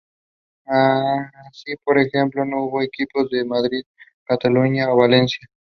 Ginninderra Press has been described by "The Canberra Times" as "versatile and visionary".